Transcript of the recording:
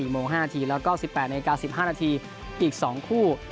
โมง๕นาทีแล้วก็๑๘นาฬิกา๑๕นาทีอีก๒คู่